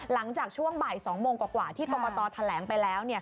หลังจากช่วงบ่าย๒โมงกว่าที่กรกตแถลงไปแล้วเนี่ย